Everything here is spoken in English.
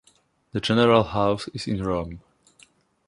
The general house is in Rome.